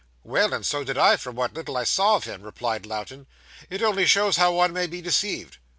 'Well, and so did I, from what little I saw of him,' replied Lowten, 'it only shows how one may be deceived.